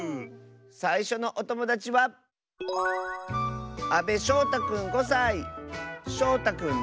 さいしょのおともだちはしょうたくんの。